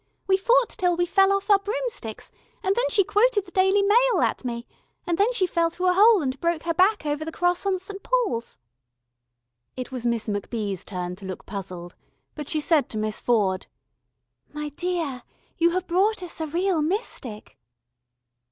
We fought till we fell off our broomsticks, and then she quoted the Daily Mail at me, and then she fell through a hole and broke her back over the cross on St. Paul's." It was Miss MacBee's turn to look puzzled, but she said to Miss Ford: "My dear, you have brought us a real mystic."